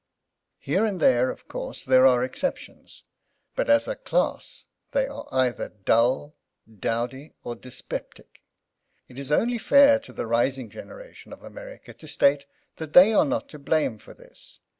Here and there, of course, there are exceptions, but as a class they are either dull, dowdy or dyspeptic. It is only fair to the rising generation of America to state that they are not to blame for this.